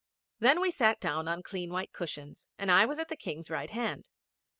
Then we sat down on clean white cushions, and I was at the King's right hand.